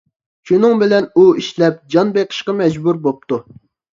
شۇنىڭ بىلەن ئۇ ئىشلەپ جان بېقىشقا مەجبۇر بوپتۇ.